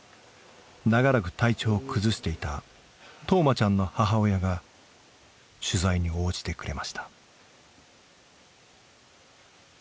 長らく体調を崩していた冬生ちゃんの母親が取材に応じてくれました。